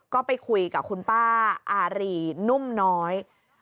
ก็ไปคุยกับคุณป้าอารีนุ่มน้อย